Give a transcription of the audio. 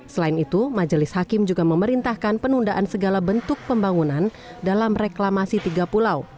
selain itu majelis hakim juga memerintahkan penundaan segala bentuk pembangunan dalam reklamasi tiga pulau